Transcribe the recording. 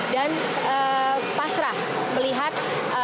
dan pasrah melihat